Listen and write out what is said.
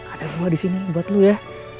ada rumah disini buat lo ya